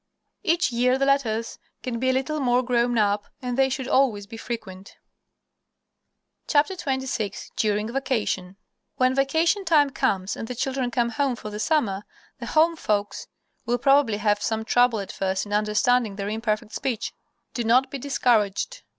Each year the letters can be a little more grown up and they should always be frequent. XXVI DURING VACATION When vacation time comes and the children come home for the summer, the home folks will probably have some trouble at first in understanding their imperfect speech. Do not be discouraged.